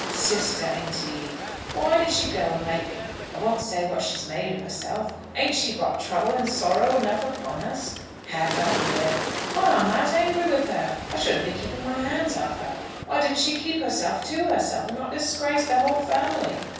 Sister, indeed! Why did she go and make . I won't say what she's made of herself. Ain't she brought trouble and sorrow enough upon us? Have her here! Why, I'm that angry with her, I shouldn't be keeping my hands off her. Why didn't she keep herself to herself, and not disgrace the whole family?"